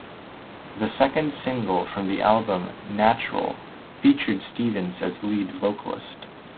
The second single from the album, "Natural", featured Stevens as lead vocalist.